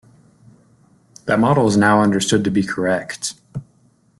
That model is now understood to be correct.